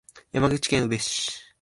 山口県宇部市